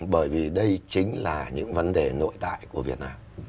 bởi vì đây chính là những vấn đề nội đại của việt nam